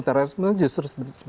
terorisme justru sebetulnya tidak